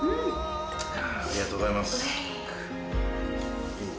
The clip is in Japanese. ありがとうございます。